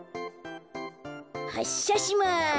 はっしゃします。